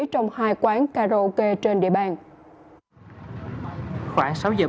trong hai quán karaoke trên địa bàn